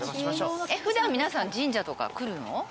普段皆さん神社とか来るの？